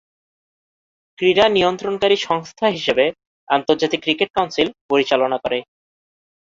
ক্রীড়া নিয়ন্ত্রণকারী সংস্থা হিসেবে আন্তর্জাতিক ক্রিকেট কাউন্সিল পরিচালনা করে।